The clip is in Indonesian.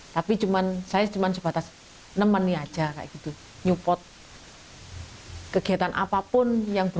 tapi saya cuma sebatas nemenin aja nyupot kegiatan apapun yang berubah